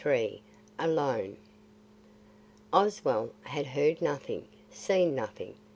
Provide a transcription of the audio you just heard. XXXIII. ALONE Oswald had heard nothing, seen nothing.